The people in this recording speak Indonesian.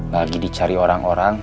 lagi dicari orang orang